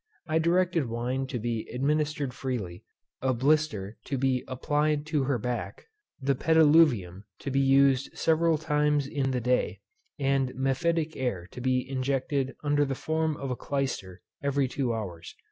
I directed wine to be administered freely; a blister to be applied to her back; the pediluvium to be used several times in the day; and mephitic air to be injected under the form of a clyster every two hours.